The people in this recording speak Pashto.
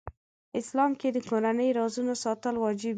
اسلام کې د کورنۍ رازونه ساتل واجب دي .